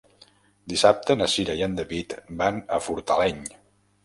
Dissabte na Cira i en David van a Fortaleny.